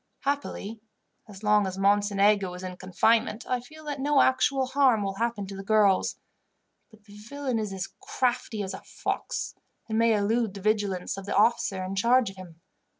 Happily, as long as Mocenigo is in confinement, I feel that no actual harm will happen to the girls; but the villain is as crafty as a fox, and may elude the vigilance of the officer in charge of him.